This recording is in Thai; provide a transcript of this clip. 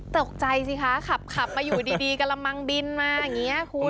ตกใจสิคะขับมาอยู่ดีกระมังดินมาอย่างนี้คุณ